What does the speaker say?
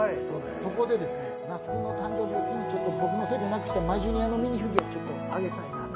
そこで那須君の誕生日を機に、那須君がなくしたマジュニアのフィギュアをちょっと、あげたいなと。